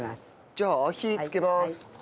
じゃあ火つけます。